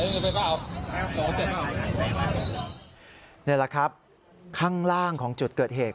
นี่แหละครับข้างล่างของจุดเกิดเหตุ